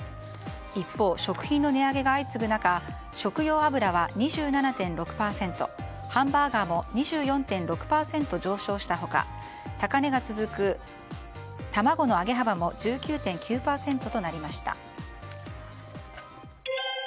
一方、食品の値上げが相次ぐ中食用油は２７．６％ハンバーガーも２４．６％上昇した他高値が続く卵の上げ幅も１９．９％となりました。